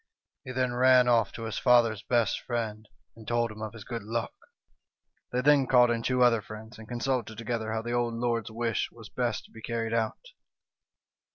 He then ran off to his father's best friend, and told him of his good luck. They then called in two other friends, and consulted together how the old lord's wish was best to be carried out.